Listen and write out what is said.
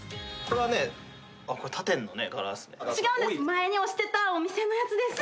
前に推してたお店のやつです。